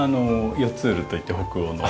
ヨツールといって北欧の。